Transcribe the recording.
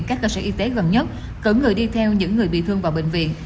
các cơ sở y tế gần nhất cử người đi theo những người bị thương vào bệnh viện